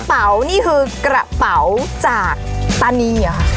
กระเป๋านี่คือกระเป๋าจากตานีเหรอ